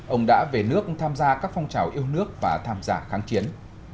ông đã về nước tham gia các phong trào yêu nước và tham gia kháng chiến